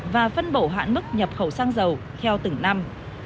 và phân bổ hạn mức nhập khẩu xăng dầu theo từng năm